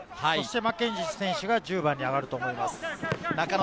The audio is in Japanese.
マッケンジー選手が１０番に上がると思います。